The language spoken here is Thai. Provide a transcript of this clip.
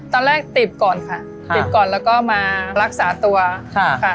ตอนแรกติดก่อนค่ะติดก่อนแล้วก็มารักษาตัวค่ะ